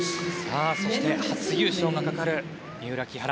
そして、初優勝がかかる三浦・木原。